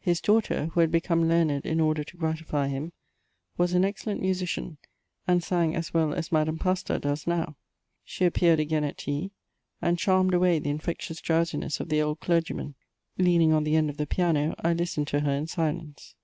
His daughter, who had become learned in order to gratify him, was an excellent musician, and sang as well as Madame Pasta does now. She apppeared again at tea, and charmed away the in fectious drowsiness of the old clergyman. Leaning on the end of the piano I listened to her in silence.